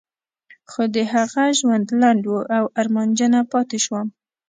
خو د هغه ژوند لنډ و او ارمانجنه پاتې شوم.